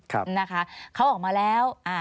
ครับนะคะเขาออกมาแล้ว